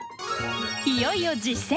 いよいよ実践！